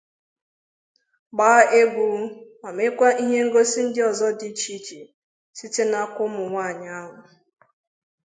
gbaa egwu ma mekwa ihe ngosi ndị ọzọ dị icheiche site n'aka ụmụnwaanyị ahụ